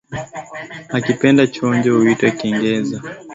Akipenda chongo huita kengeza